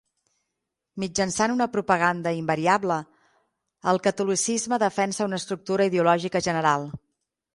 Mitjançant una propaganda invariable, el catolicisme defensa una estructura ideològica general.